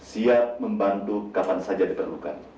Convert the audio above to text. siap membantu kapan saja diperlukan